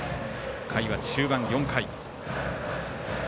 下位は中盤、４回。